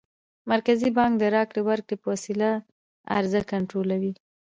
مرکزي بانک د راکړو ورکړو په وسیله عرضه کنټرولوي.